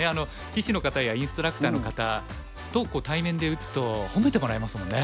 棋士の方やインストラクターの方と対面で打つと褒めてもらえますもんね。